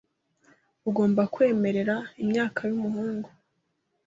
Ugomba kwemerera imyaka yumuhungu .